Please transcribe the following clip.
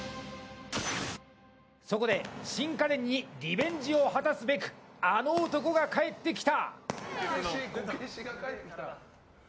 そこで新家電にリベンジを果たすべくあの男が帰ってきた！